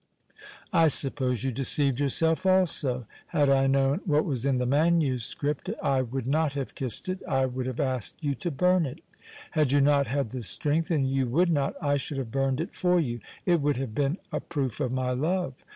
I suppose you deceived yourself also. Had I known what was in the manuscript I would not have kissed it, I would have asked you to burn it. Had you not had the strength, and you would not, I should have burned it for you. It would have been a proof of my love.